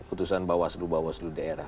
putusan bawaslu bawaslu daerah